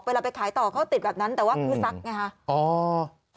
ไปขายต่อเขาติดแบบนั้นแต่ว่าคือซักไงฮะ